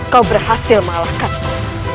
kau berhasil mengalahkanku